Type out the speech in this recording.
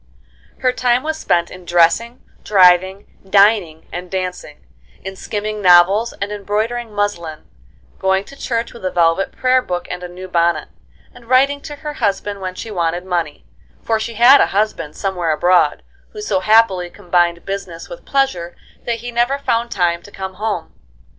Her time was spent in dressing, driving, dining and dancing; in skimming novels, and embroidering muslin; going to church with a velvet prayer book and a new bonnet; and writing to her husband when she wanted money, for she had a husband somewhere abroad, who so happily combined business with pleasure that he never found time to come home.